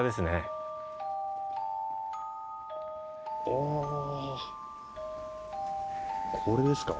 ああこれですか？